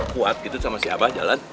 kuat gitu sama si abah jalan